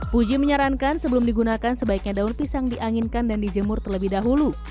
puji menyarankan sebelum digunakan sebaiknya daun pisang dianginkan dan dijemur terlebih dahulu